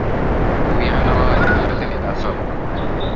uwiano wao ni thelathini na saba